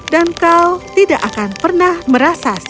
dan kau tidak akan pernah merasa sedih